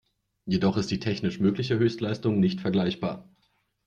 Jedoch ist die technisch mögliche Höchstleistung nicht vergleichbar.